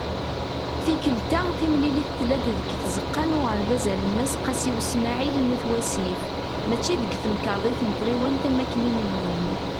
Tikelt-a, timlilit tella-d deg Tzeqqa n Uɣerbaz Alemmas "Qasi Usmaɛil" n At Wasif mačči deg Temkarḍit n Tɣiwant am wakken i nennum.